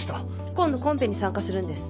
今度コンペに参加するんです。